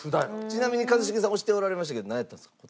ちなみに一茂さん押しておられましたけどなんやったんですか？